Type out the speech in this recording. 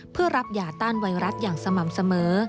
เพื่อรับยาต้านไวรัสอย่างสม่ำเสมอ